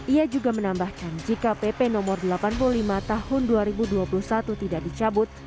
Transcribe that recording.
ia juga menambahkan jika pp no delapan puluh lima tahun dua ribu dua puluh satu tidak dicabut